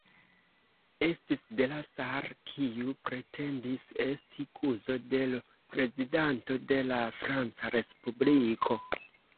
Estis Delasar, kiu pretendis esti kuzo de l' Prezidanto de la Franca Respubliko.